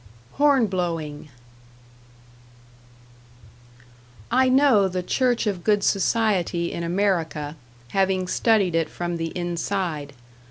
#Horn blowing# I know the Church of Good Society in America, having studied it from the inside.